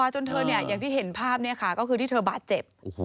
จนเธออย่างที่เห็นภาพก็คือที่เธอบาดเจ็บ